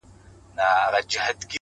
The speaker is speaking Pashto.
• ته یې لور د شراب، زه مست زوی د بنګ یم،